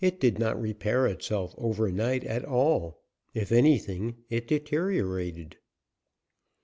It did not repair itself over night at all. If anything it deteriorated.